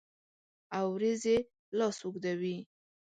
اوریځې لاس اوږدوي